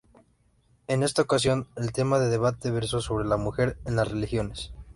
En esa ocasión, el tema de debate versó sobre La mujer en las religiones.